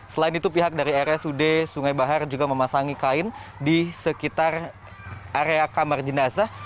selain itu pihak dari rsud sungai bahar juga memasangi kain di sekitar area kamar jenazah